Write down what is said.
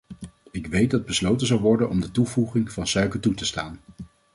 Ik weet dat besloten zal worden om de toevoeging van suiker toe te staan.